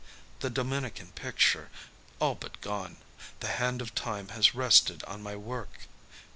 The Dominican picture ... all but gone. The hand of time has rested on my work.